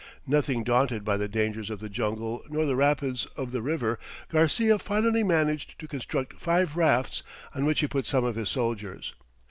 Nothing daunted by the dangers of the jungle nor the rapids of the river, Garcia finally managed to construct five rafts, on which he put some of his soldiers.